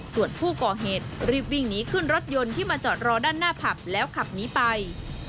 ส่วนผู้ก่อเหตุรีบวิ่งหนีขึ้นรถยนต์ที่มาจอดรอด้านหน้าผับแล้วขับหนีไป